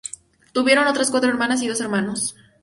Tuvieron otras cuatro hermanas y dos hermanos.